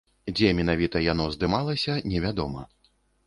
Дзе менавіта яно здымалася, невядома.